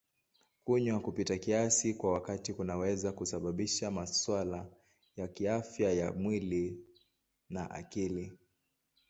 Kunywa kupita kiasi kwa wakati kunaweza kusababisha masuala ya kiafya ya mwili na akili.